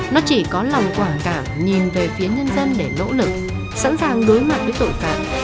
nó chỉ có lòng quả cả nhìn về phía nhân dân để nỗ lực sẵn sàng đối mặt với tội phạm